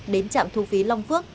đến trạm thu phí long phước